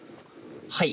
はい。